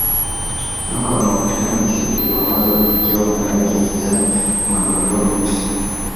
Nyoka wanaopatikana msitu wa amazon pekee wana rangi ya kijani na madoa meusi